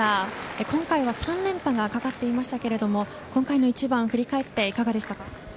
今回は３連覇がかかっていましたが今回の一番振り返っていかがでしたか？